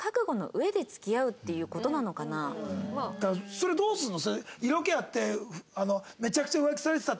それどうするの？